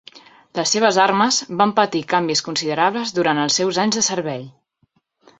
Les seves armes van patir canvis considerables durant els seus anys de servei.